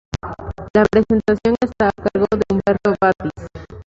La presentación está a cargo de Huberto Batis.